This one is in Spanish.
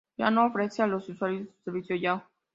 Yahoo ofrece a los usuarios su servicio Yahoo!